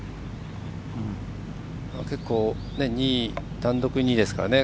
単独２位ですからね。